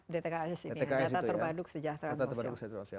data terpadu kesejahteraan sosial